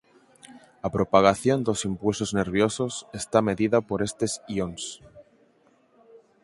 A propagación dos impulsos nerviosos está mediada por estes ións.